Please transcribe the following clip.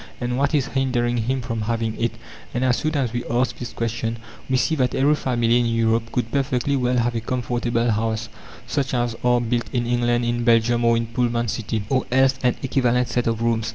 and what is hindering him from having it? And as soon as we ask this question, we see that every family in Europe could perfectly well have a comfortable house, such as are built in England, in Belgium, or in Pullman City, or else an equivalent set of rooms.